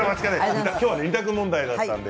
今日は２択問題だったので。